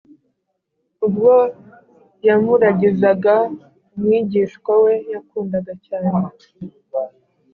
ubwo yamuragizaga umwigishwa we yakundaga cyane